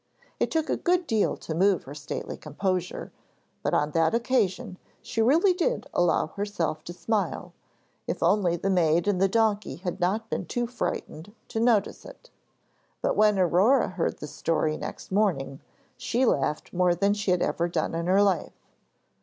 It took a good deal to move her stately composure, but on that occasion she really did allow herself to smile, if only the maid and the donkey had not been too frightened to notice it. But when Aurore heard the story next morning, she laughed more than she had ever done in her life.